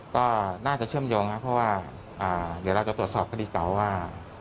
ก็น่าจะเชื่อมโยงครับเพราะว่าเดี๋ยวเราจะตรวจสอบคดีเก่าว่า